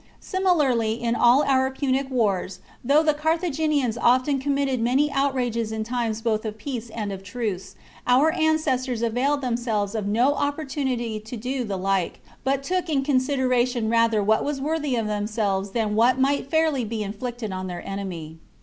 Similarly in all our Punic wars, though the Carthaginians often committed many outrages in times both of peace and of truce, our ancestors availed themselves of no opportunity to do the like, but took in considera tion rather what was worthy of themselves than what might fairly be inflicted on their enemy.